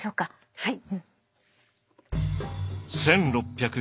はい。